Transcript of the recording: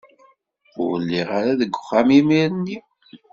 Ur lliɣ ara deg uxxam imir-nni.